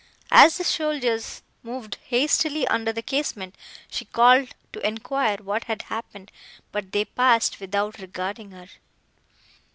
As the soldiers moved hastily under the casement, she called to enquire what had happened, but they passed without regarding her.